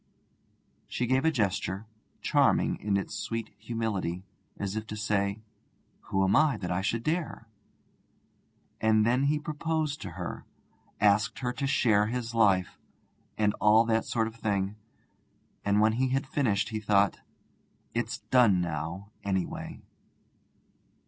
She gave a gesture, charming in its sweet humility, as if to say: 'Who am I that I should dare ' And then he proposed to her, asked her to share his life, and all that sort of thing; and when he had finished he thought, 'It's done now, anyway.'